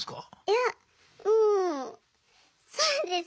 いやもうそうです